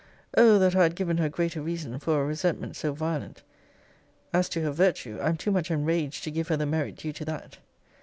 Oh! that I had given her greater reason for a resentment so violent! As to her virtue, I am too much enraged to give her the merit due to that.